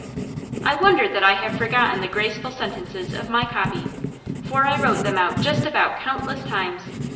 I wonder that I have forgotten the graceful sentences of my "copy"; for I wrote them out just about countless times.